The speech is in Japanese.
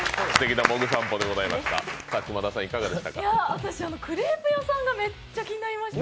私クレープ屋さんがめっちゃ気になりました。